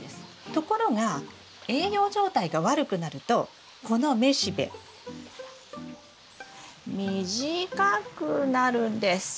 ところが栄養状態が悪くなるとこの雌しべ短くなるんです。